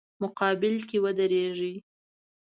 مقابل کې ودریږي.